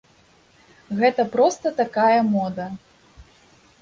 Гэта проста такая мода.